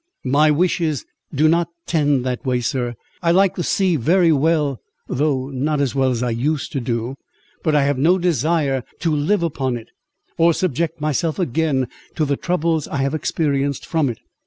"My wishes do not tend that way, sir. I like the sea very well, though not as well as I used to do; but I have no desire to live upon it, or subject myself again to the troubles I have experienced from it.